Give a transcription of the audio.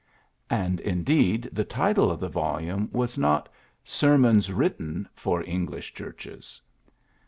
'' And, indeed, the title of the volume was not Sermons xoritten for Eng lish Churches.